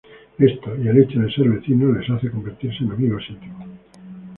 Esto, y el hecho de ser vecinos les hace convertirse en amigos íntimos.